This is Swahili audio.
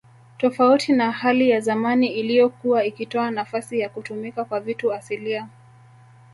Tofauti na hali ya zamani iliyokuwa ikitoa nafasi ya kutumika kwa vitu asilia